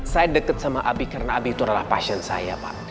saya dekat sama abi karena abi itu adalah pasien saya pak